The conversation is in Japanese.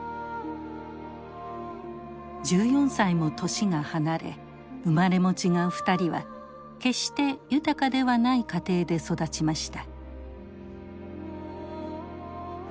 １４歳も年が離れ生まれも違う２人は決して豊かではない家庭で育ちました。